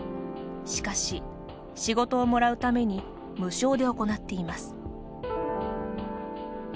しかし仕事をもらうために無償で行っています。